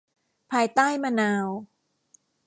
ภายใต้มะนาว